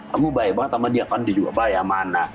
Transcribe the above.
kamu baik banget sama dia kan dia juga baik sama ana